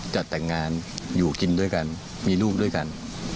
จัดแต่งงานอยู่กินด้วยกันมีลูกด้วยกัน